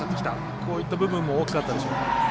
こういう部分も大きかったでしょうか。